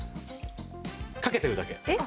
かけてるだけ。